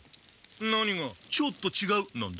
何が「ちょっとちがう」なんだ？